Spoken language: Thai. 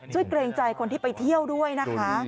เกรงใจคนที่ไปเที่ยวด้วยนะคะ